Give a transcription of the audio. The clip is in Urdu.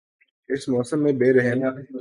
اس موسم میں بے رحم